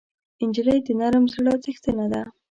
نجلۍ د نرم زړه څښتنه ده.